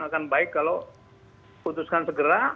akan baik kalau putuskan segera